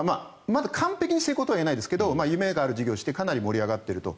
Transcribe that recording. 完璧に成功とはまだ言えないですが夢がある事業をしてかなり盛り上がっていると。